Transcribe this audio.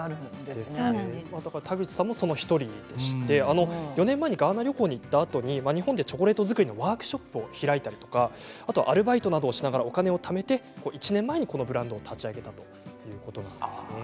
田口さんもその１人で４年前にガーナ旅行に行ったあと日本でチョコレート作りのワークショップを開いたりアルバイトなどをしながらお金をためて１年前にこのブランドを立ち上げたということなんです。